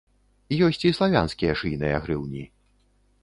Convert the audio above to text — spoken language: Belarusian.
Ёсць і славянскія шыйныя грыўні.